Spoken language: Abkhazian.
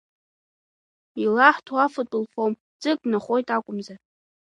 Илаҳҭо афатә лфом, ӡык днахәоит акәымзар.